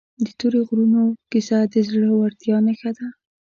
د تورې غرونو کیسه د زړه ورتیا نښه ده.